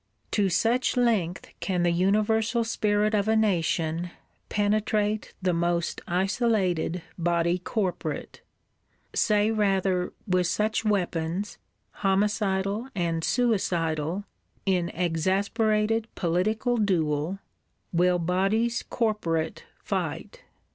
To such length can the universal spirit of a Nation penetrate the most isolated Body corporate: say rather, with such weapons, homicidal and suicidal, in exasperated political duel, will Bodies corporate fight!